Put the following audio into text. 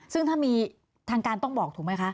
ซึ่งถ้ามีทางการต้องบอกถูกไหมคะ